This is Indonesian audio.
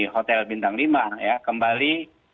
hotel bintang lima ya kembali